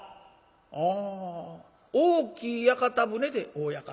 「あ大きい屋形船で大屋形。